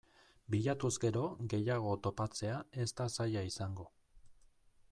Bilatuz gero gehiago topatzea ez da zaila izango.